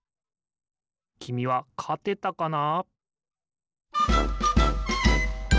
きみはかてたかな？